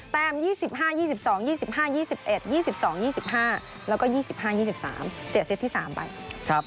๒๕๒๒๒๕๒๑๒๒๒๕แล้วก็๒๕๒๓เสียเซตที่๓ไป